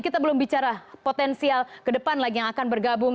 kita belum bicara potensial kedepan lagi yang akan bergabung